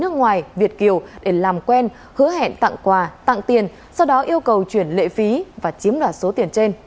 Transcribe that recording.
nước ngoài việt kiều để làm quen hứa hẹn tặng quà tặng tiền sau đó yêu cầu chuyển lệ phí và chiếm đoạt số tiền trên